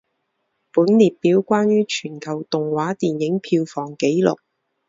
本列表关于全球动画电影票房纪录。